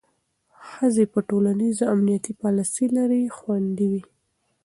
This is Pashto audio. ښځې چې ټولنیز امنیتي پالیسۍ لري، خوندي وي.